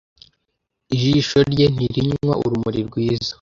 Ijisho rye ntirinywa urumuri rwiza